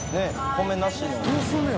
米なしの。